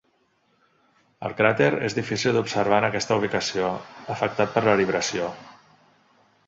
El cràter és difícil d'observar en aquesta ubicació, afectat per la libració.